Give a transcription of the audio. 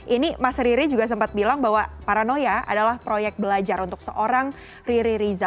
ini mas riri juga sempat bilang bahwa paranoia adalah proyek belajar untuk seorang riri riza